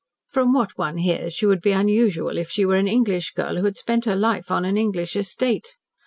"From what one hears, she would be unusual if she were an English girl who had spent her life on an English estate.